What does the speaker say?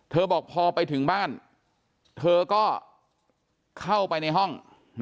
บอกพอไปถึงบ้านเธอก็เข้าไปในห้อง